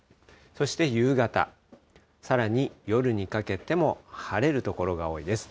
そして夕方、さらに夜にかけても晴れる所が多いです。